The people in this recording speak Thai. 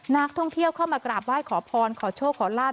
นักท่องเที่ยวเข้ามากราบไหว้ขอพรขอโชคขอลาบ